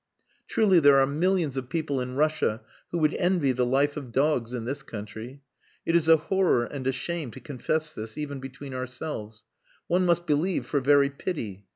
"Truly there are millions of people in Russia who would envy the life of dogs in this country. It is a horror and a shame to confess this even between ourselves. One must believe for very pity.